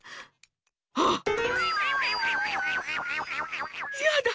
あっ⁉いやだ。